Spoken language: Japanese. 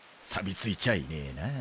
さび付いちゃいねぇな。